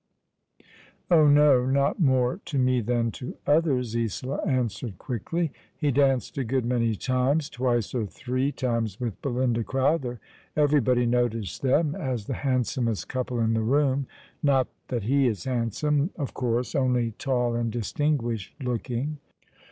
" Oh no ; not more to me than to others," Isola answered quickly. " He danced a good many times— twice or three times— with Belinda Crowther. Everybody noticed them as the handsomest couple in the room ; not that he is handsome, of course — only tall and distinguished looking."